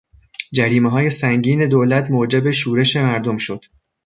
جریمههای سنگین دولت موجب شورش مردم شد.